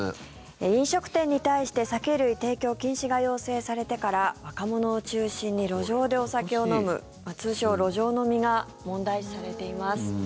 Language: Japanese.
飲食店に対して酒類提供禁止が要請されてから若者を中心に路上でお酒を飲む通称・路上飲みが問題視されています。